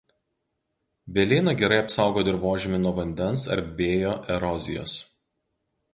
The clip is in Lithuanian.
Velėna gerai apsaugo dirvožemį nuo vandens ar vėjo erozijos.